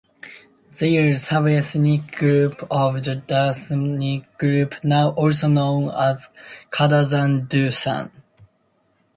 They are a sub-ethnic group of the Dusunic group, now also known as Kadazandusun.